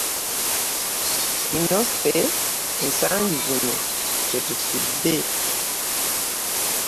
Kino ffe ensangi zino kye tusudde.